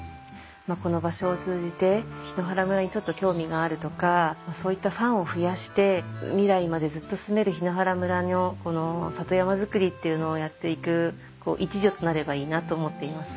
この場所を通じて檜原村にちょっと興味があるとかそういったファンを増やして未来までずっと住める檜原村のこの里山づくりっていうのをやっていく一助となればいいなと思っています。